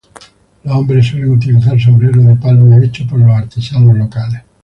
Los hombres suelen utilizar sombrero de palma, hecho por los artesanos locales.